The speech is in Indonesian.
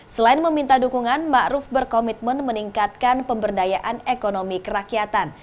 selain meminta dukungan ma'ruf berkomitmen meningkatkan pemberdayaan ekonomi kerakyatan